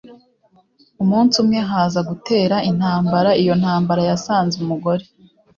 umunsi umwe haza gutera intambara. iyo ntambara yasanze umugore